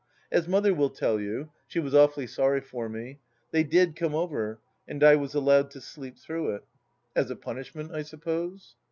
As Mother will tell you — she was awfully sorry for me — they did come over, and I was allowed to sleep through it. As a punishment, I suppose